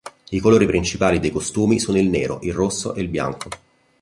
I colori principali dei costumi sono il nero, il rosso e il bianco.